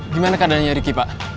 gimana keadaannya ricky pak